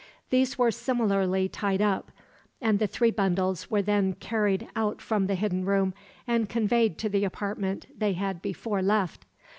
These were similarly tied up, and the three bundles were then carried out from the hidden room, and conveyed to the apartment they had before left.